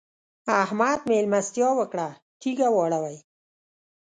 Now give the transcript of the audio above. احمد؛ مېلمستيا وکړه - تيږه واړوئ.